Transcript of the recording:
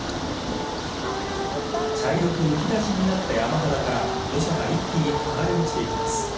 茶色くむき出しになった山肌から土砂が一気に剥がれ落ちていきます。